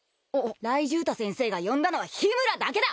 雷十太先生が呼んだのは緋村だけだ！